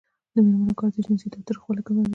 د میرمنو کار د جنسي تاوتریخوالي کموي.